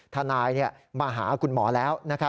ทนายมาหาคุณหมอแล้ว